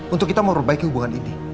untuk kita mau rebaiki hubungan ini